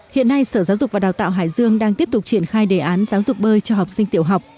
hiện nay sở giáo dục và đào tạo hải dương đang tiếp tục triển khai đề án giáo dục bơi cho học sinh tiểu học